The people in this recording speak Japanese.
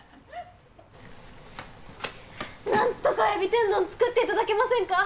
なんとかエビ天丼作っていただけませんか？